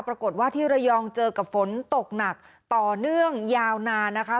ปรากฏว่าที่ระยองเจอกับฝนตกหนักต่อเนื่องยาวนานนะคะ